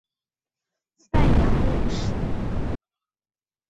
范阳人氏。